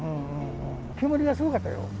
煙がすごかったよ。